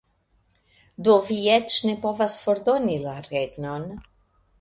Do vi eĉ ne povas fordoni la regnon.